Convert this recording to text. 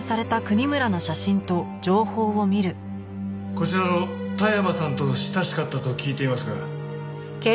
こちらの田山さんと親しかったと聞いていますが。